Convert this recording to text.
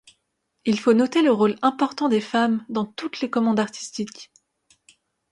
Il faut noter le rôle important des femmes dans toutes les commandes artistiques.